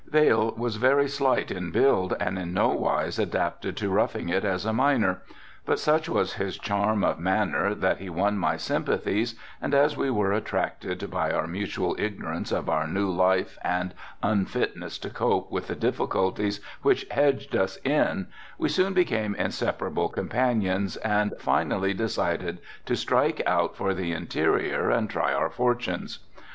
Vail was very slight in build and in no wise adapted to roughing it as a miner, but such was his charm of manner that he won my sympathies and as we were attracted by our mutual ignorance of our new life and unfitness to cope with the difficulties which hedged us in we soon became inseparable companions and finally decided to strike out for the interior and try our fortunes.